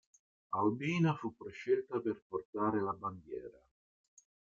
Albina fu prescelta per portare la bandiera.